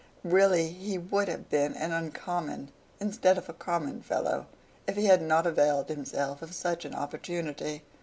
Really he would have been an uncommon, instead of a common, fellow, if he had not availed himself of such an opportunity.